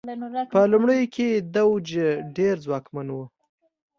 په لومړیو کې دوج ډېر ځواکمن و.